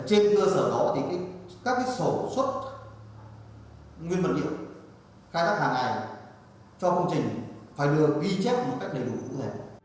trên cơ sở đó các sổ xuất nguyên vật liệu khai thác hàng ngày cho công trình phải được ghi chép đầy đủ